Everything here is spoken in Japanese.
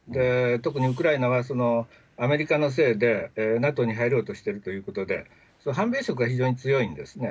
特にウクライナはアメリカのせいでＮＡＴＯに入ろうとしているということで、反米色が非常に強いんですね。